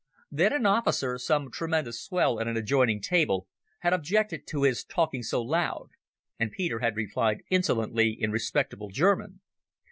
Then an officer—some tremendous swell at an adjoining table had objected to his talking so loud, and Peter had replied insolently in respectable German.